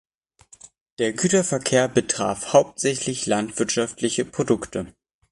Der Güterverkehr betraf hauptsächlich landwirtschaftliche Produkte.